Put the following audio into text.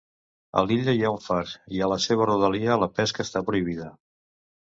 A l'illa hi ha un far, i a la serva rodalia la pesca està prohibida.